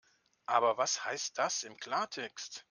Aber was heißt das im Klartext?